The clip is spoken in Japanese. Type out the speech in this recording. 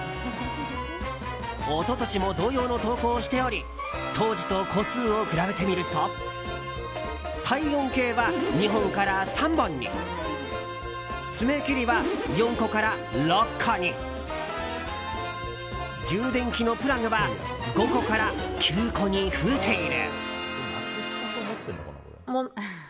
一昨年も同様の投稿をしており当時と個数を比べてみると体温計は２本から３本に爪切りは４個から６個に充電器のプラグは５個から９個に増えている。